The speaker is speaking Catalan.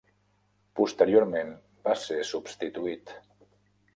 Posteriorment, va ser substituït.